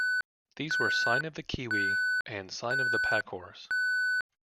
These were Sign of the Kiwi, and Sign of the Packhorse.